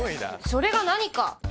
それが何か⁉